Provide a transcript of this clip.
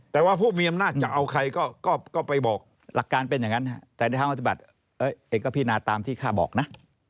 แต่ว่าผู้มีอำนาจจะเอาใครก็ไปบอกหลักการเป็นอย่างนั้นแต่ในทางปฏิบัติเอกก็พินาตามที่ข้าบอกนะ